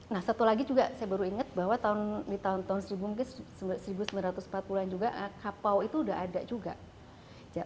nah satu lagi juga saya baru ingat bahwa di tahun tahun seribu sembilan ratus empat puluh an juga kapau itu sudah ada juga